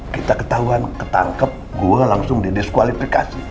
kita ketahuan ketangkep gue langsung didiskualifikasi